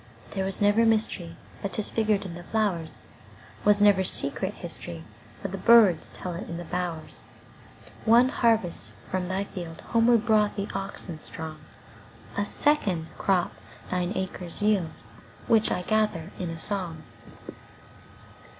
There was never mysteryBut 'tis figured in the flowers; SWas never secret historyBut birds tell it in the bowers. One harvest from thy fieldHomeward brought the oxen strong;A second crop thine acres yield, Which I gather in a song.